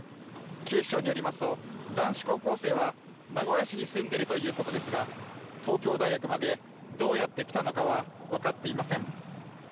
警視庁によりますと男子高校生は名古屋市に住んでいるということですが東京大学までどうやって来たのかは分かっていません。